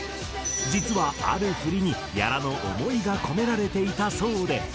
実はある振りに屋良の思いが込められていたそうで。